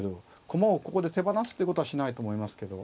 駒をここで手放すってことはしないと思いますけど。